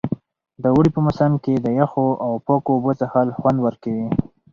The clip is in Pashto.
د اوړي په موسم کې د یخو او پاکو اوبو څښل خوند ورکوي.